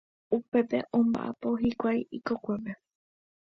Upépe omba'apo hikuái ikokuépe.